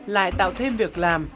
lại tạo thêm việc làm